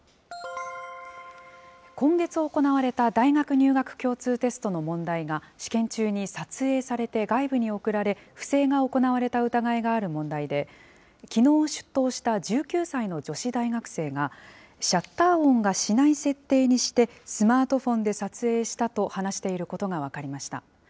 今月行われた大学入学共通テストの問題が試験中に撮影されて外部に送られ、不正が行われた疑いがある問題で、きのう出頭した１９歳の女子大学生が、シャッター音がしない設定にして、スマートフォンで撮影したと話していることが分かりました。